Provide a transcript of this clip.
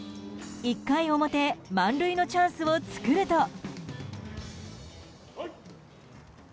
１回表満塁のチャンスを作ると。